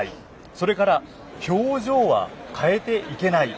それから、表情は変えていけない。